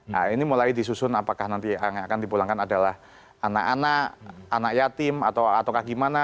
nah ini mulai disusun apakah nanti yang akan dipulangkan adalah anak anak yatim atau gimana